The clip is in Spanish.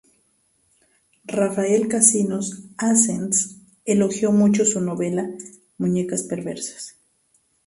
Rafael Cansinos Assens elogió mucho su novela "Muñecas perversas".